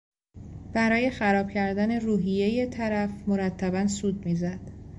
برای خراب کردن روحیهی طرف مرتبا سوت میزد.